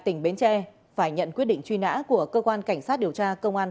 tỉnh bến tre phải nhận quyết định truy nã của cơ quan cảnh sát điều tra công an